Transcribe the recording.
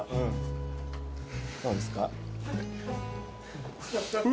どうですか？